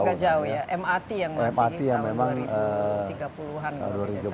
nggak jauh ya mrt yang masih tahun dua ribu tiga puluh an